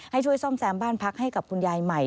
ให้ช่วยซ่อมแซมบ้านพักให้กับคุณยายใหม่